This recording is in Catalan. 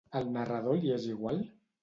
Al narrador li és igual?